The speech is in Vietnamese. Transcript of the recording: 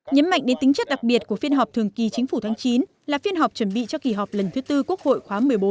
nhấn mạnh đến tính chất đặc biệt của phiên họp thường kỳ chính phủ tháng chín là phiên họp chuẩn bị cho kỳ họp lần thứ tư quốc hội khóa một mươi bốn